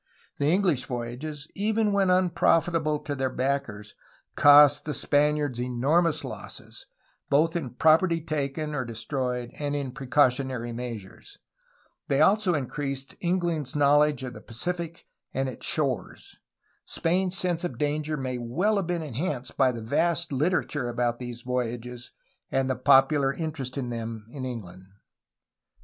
The English voyages, even when unprofitable to their backers, cost the Spaniards enormous losses, both in property taken or destroyed and in precautionary measures. They also increased English knowledge of the Pacific and its shores. Spain^s sense of danger may well have been enhanced by the vast literature about these voyages and the popular interest in them in England.